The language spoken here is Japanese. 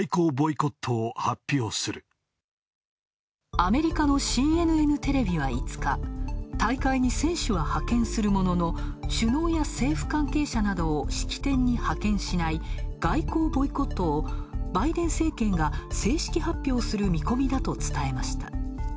アメリカのＣＮＮテレビは５日、大会に選手は派遣するものの首脳や政府関係者などを式典に派遣しない、外交ボイコットをバイデン政権が正式発表する見込みだと伝えました。